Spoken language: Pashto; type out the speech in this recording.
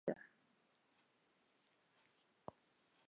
مړه ته د زړونو ژوره خواخوږي ده